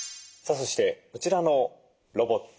そしてこちらのロボット